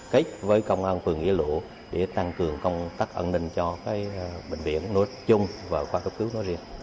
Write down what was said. kết với công an phường nghĩa lộ để tăng cường công tác an ninh cho bệnh viện nốt chung và khoa cấp cứu nó riêng